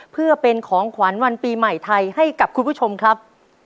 เพื่อเป็นของขวัญวันปีใหม่ไทยให้กับคุณผู้ชมครับ